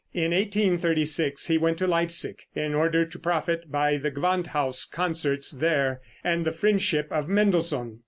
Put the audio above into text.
In 1836 he went to Leipsic, in order to profit by the Gewandhaus concerts there and the friendship of Mendelssohn.